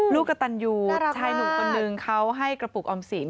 กระตันยูชายหนุ่มคนนึงเขาให้กระปุกออมสิน